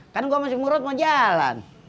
kan gue masih murut mau jalan